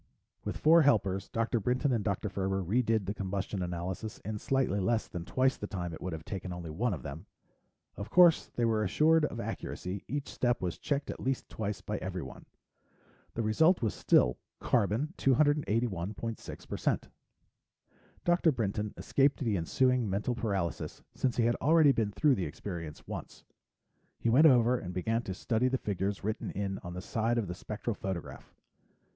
With four helpers, Dr. Brinton and Dr. Ferber redid the combustion analysis in slightly less than twice the time it would have taken only one of them. Of course they were assured of accuracy; each step was checked at least twice by everyone. The result was still carbon 281.6%. Dr. Brinton escaped the ensuing mental paralysis since he had already been through the experience once. He went over and began to study the figures written in on the side of the spectral photograph.